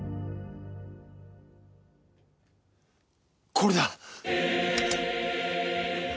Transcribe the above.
これだ！